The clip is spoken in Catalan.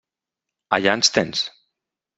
Allà ens tens.